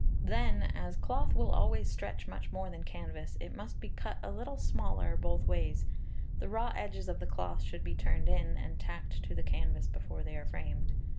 Then, as cloth will always stretch much more than canvas, it must be cut a little smaller both ways. The raw edges of the cloth should be turned in, and tacked to the canvas before they are framed.